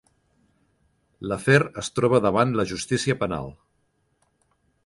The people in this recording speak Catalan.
L'afer es troba davant la justícia penal.